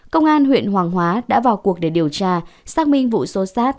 công an huyện hoàng hóa đã vào cuộc để điều tra xác minh vụ xô xát